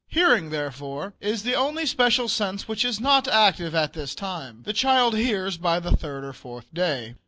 Hearing, therefore, is the only special sense which is not active at this time. The child hears by the third or fourth day.